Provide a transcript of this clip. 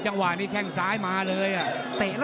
มันต้องอย่างงี้มันต้องอย่างงี้